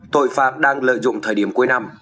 tội phạm đang lợi dụng thời điểm cuối năm